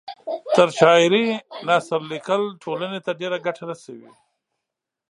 تر شاعرۍ نثر لیکل ټولنۍ ته ډېره ګټه رسوي